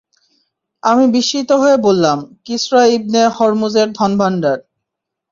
আমি বিস্মিত হয়ে বললাম, কিসরা ইবনে হুরমুজের ধনভাণ্ডার।